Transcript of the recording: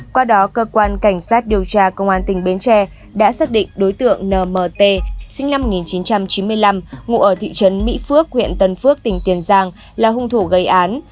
qua đó cơ quan cảnh sát điều tra công an tỉnh bến tre đã xác định đối tượng nmp sinh năm một nghìn chín trăm chín mươi năm ngụ ở thị trấn mỹ phước huyện tân phước tỉnh tiền giang là hung thủ gây án